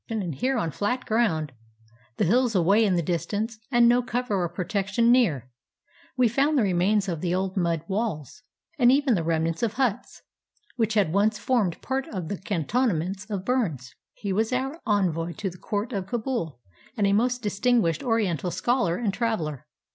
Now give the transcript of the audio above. And here on the 278 THE HILL OF BONES flat ground, the hills away in the distance, and no cover or protection near, we found the remains of the old mud walls, and even the remnants of huts, which had once formed part of the cantonments of Burnes. He was our envoy to the Court of Kabul, and a most distinguished Oriental scholar and traveler.